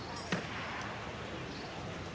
สวัสดีครับทุกคน